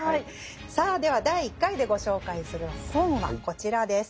さあでは第１回でご紹介する本はこちらです。